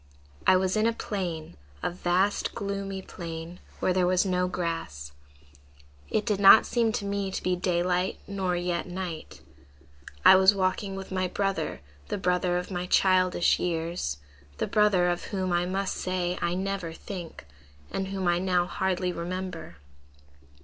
"I was in a plain; a vast, gloomy plain, where there was no grass. It did not seem to me to be daylight nor yet night. "I was walking with my brother, the brother of my childish years, the brother of whom, I must say, I never think, and whom I now hardly remember.